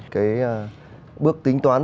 cái bước tính toán